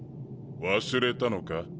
忘れたのか？